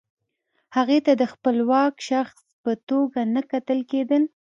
هغې ته د خپلواک شخص په توګه نه کتل کیږي.